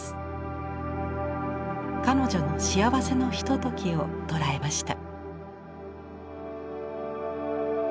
彼女の幸せのひとときを捉えました。